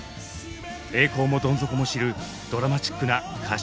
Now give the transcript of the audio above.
栄光もどん底も知るドラマチックな歌手人生。